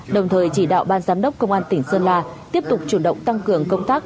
đồng thời chỉ đạo ban giám đốc công an tỉnh sơn la tiếp tục chủ động tăng cường công tác